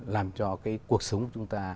làm cho cái cuộc sống của chúng ta